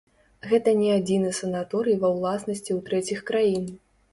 Гэта не адзіны санаторый ва ўласнасці ў трэціх краін.